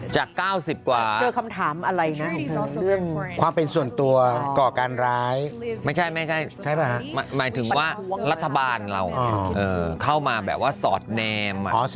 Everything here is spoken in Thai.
จากเก้าสิบกว่าความเป็นส่วนตัวก่อการร้ายไม่ใช่หมายถึงว่ารัฐบาลเราเข้ามาแบบว่าสอดแนม